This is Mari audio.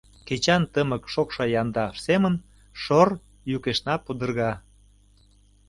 Кечан тымык шокшо Янда семын шор-р йӱкешна пудырга.